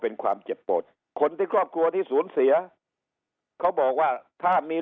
เป็นความเจ็บปวดคนที่ครอบครัวที่สูญเสียเขาบอกว่าถ้ามี